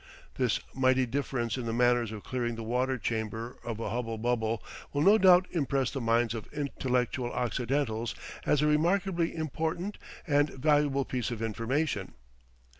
This mighty difference in the manner of clearing the water chamber of a hubble bubble will no doubt impress the minds of intellectual Occidentals as a remarkably important and valuable piece of information.